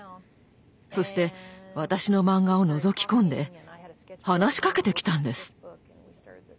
そして私のマンガをのぞき込んで話しかけてきたんです。